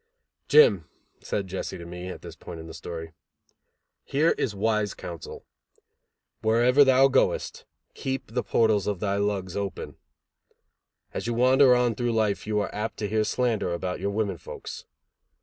"Jim," said Jesse to me, at this point in the story, "here is wise council. Wherever thou goest, keep the portals of thy lugs open; as you wander on through life you are apt to hear slander about your women folks.